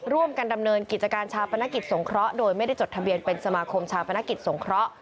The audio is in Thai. ร่วมกันดำเนินกิจการชาปนกิจสงเคราะห์โดยไม่ได้จดทะเบียนเป็นสมาคมชาปนกิจสงเคราะห์